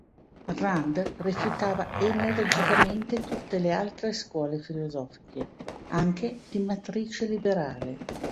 Rand rifiutava energicamente tutte le altre scuole filosofiche, anche di matrice liberale.